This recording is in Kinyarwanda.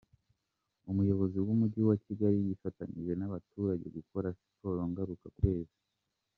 Umuyobozi w’umujyi wa Kigali yifatanyije n’abaturage gukora siporo ngaruka kwezi